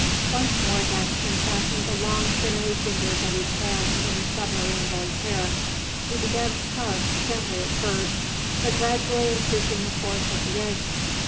Once more Gaston fastened the long, sinewy fingers of each hand in the submarine boy's hair. He began to tug, gently at first, but gradually increasing the force of the yank.